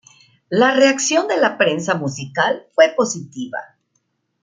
La reacción de la prensa musical fue positiva.